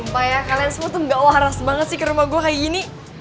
pak ya kalian semua tuh gak waras banget sih ke rumah gue kayak gini